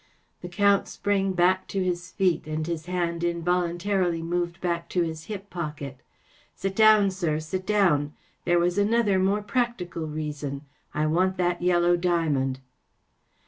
‚ÄĚ The Count sprang to his feet, and his hand involuntarily moved back to his hip pocket. 44 Sit down, sir, sit down 1 There was another, more practical, reason. I want that yellow diamond